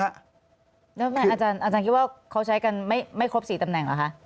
แล้วอาจารย์คิดว่าเขาใช้กันไม่ครบ๔ตำแหน่งเหรอคะ